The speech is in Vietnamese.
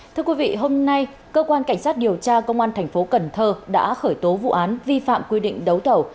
thưa quý vị hôm nay cơ quan cảnh sát điều tra công an tp cnh đã khởi tố vụ án vi phạm quy định đấu tẩu